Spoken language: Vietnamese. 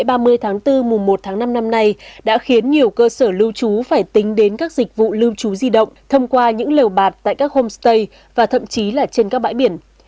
từ ba mươi tháng bốn mùa một tháng năm năm nay đã khiến nhiều cơ sở lưu trú phải tính đến các dịch vụ lưu trú di động thông qua những lều bạt tại các homestay và thậm chí là trên các bãi biển